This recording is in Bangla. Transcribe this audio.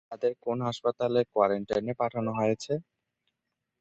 তাঁদের কোন হাসপাতালের কোয়ারেন্টাইনে পাঠানো হয়েছে?